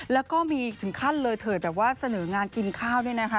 แล้วก็มีถึงขั้นเลยเถิดแบบว่าเสนองานกินข้าวเนี่ยนะคะ